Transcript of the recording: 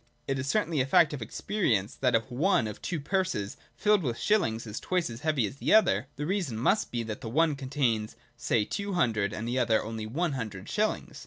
It is certainly a fact of experience that, if one of two purses filled with shillings is twice as heavy as the other, the reason must be, that the one contains, say two hundred, and the other only one hundred shillings.